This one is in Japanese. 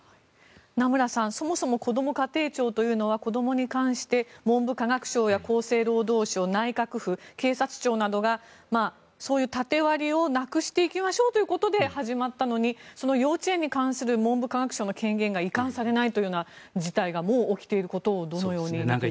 名村さん、そもそもこども家庭庁というのは子どもに関して文部科学省や厚生労働省内閣府、警察庁などがそういう縦割りをなくしていきましょうということで始まったのにその幼稚園に関する文部科学省の権限が移管されないという事態がもう起きているのをどのように見ますか。